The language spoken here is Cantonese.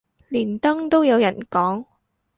連登都有人講